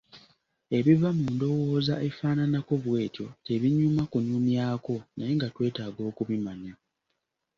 Ebiva mu ndowooza efaananako bw’etyo tebinyuma kunyumyako naye nga twetaaga okubimanya,